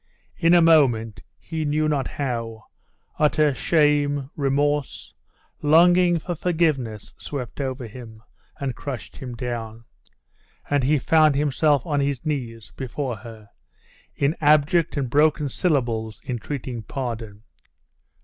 In a moment, he knew not how, utter shame, remorse, longing for forgiveness, swept over him, and crushed him down; and he found himself on his knees before her, in abject and broken syllables entreating pardon.